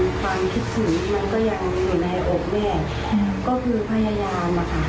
แต่ว่าความรักความหลุดอันความคิดถึงมันก็ยังอยู่ในอกแม่ก็คือพยายามอะค่ะ